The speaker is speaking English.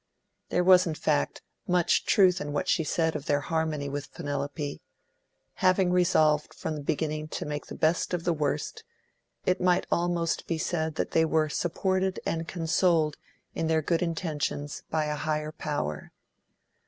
There was, in fact, much truth in what she said of their harmony with Penelope. Having resolved, from the beginning, to make the best of the worst, it might almost be said that they were supported and consoled in their good intentions by a higher power.